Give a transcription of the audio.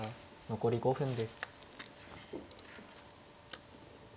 残り５分です。